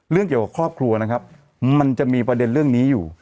เกี่ยวกับครอบครัวนะครับมันจะมีประเด็นเรื่องนี้อยู่